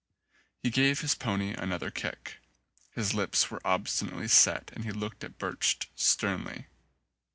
He gave his pony another kick. His lips were obstinately set and he looked at Birch sternly.